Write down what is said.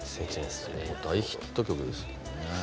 大ヒット曲ですよね。